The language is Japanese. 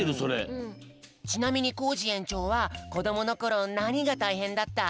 ちなみにコージ園長はこどものころなにがたいへんだった？